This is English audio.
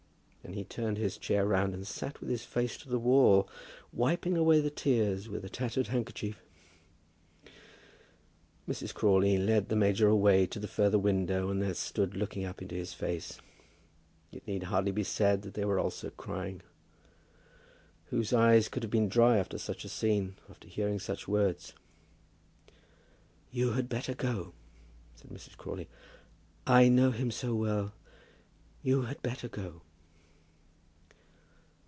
Then he turned his chair round, and sat with his face to the wall, wiping away the tears with a tattered handkerchief. Mrs. Crawley led the major away to the further window, and there stood looking up into his face. It need hardly be said that they also were crying. Whose eyes could have been dry after such a scene, upon hearing such words? "You had better go," said Mrs. Crawley. "I know him so well. You had better go."